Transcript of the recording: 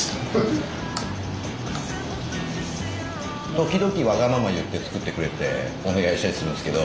時々わがまま言って作ってくれってお願いしたりするんですけど。